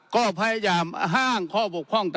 ก็พยายามอ้างข้อบกพร่อง